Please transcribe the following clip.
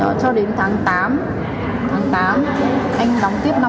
đó cho đến tháng tám tháng tám anh đóng tiếp năm nữa